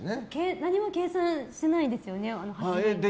何も計算しないですよね発言で。